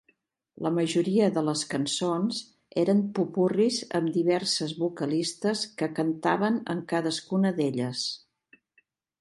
La majoria de les cançons eren popurris amb diverses vocalistes que cantaven en cadascuna d"elles.